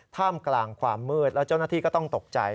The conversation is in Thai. ท่ามกลางความมืดแล้วเจ้าหน้าที่ก็ต้องตกใจ